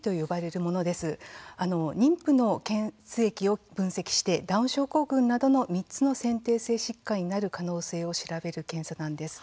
妊婦の血液を分析してダウン症候群などの３つの先天性疾患になる可能性を調べる検査なんです。